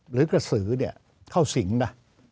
หรือกระสือเข้าสิงนะ